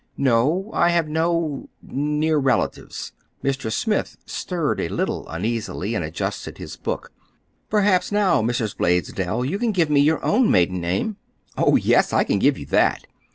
"No. I have no—near relatives." Mr. Smith stirred a little uneasily, and adjusted his book. "Perhaps, now, Mrs. Blaisdell, you can give me your own maiden name." "Oh, yes, I can give you that!"